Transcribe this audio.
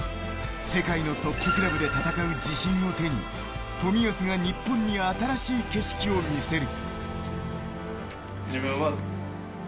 世界のトップクラブで戦う自信を手に冨安が日本に新しい景色を見せる。